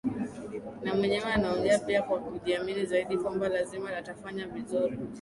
na mwenyewe anaongea pia kwa kujiamini zaidi kwamba lazima atafanya vizuri